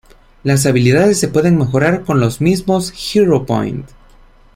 Las habilidades se pueden mejorar con los mismos hero point.